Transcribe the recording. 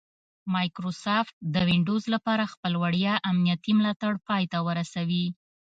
مایکروسافټ د ونډوز لپاره خپل وړیا امنیتي ملاتړ پای ته ورسوي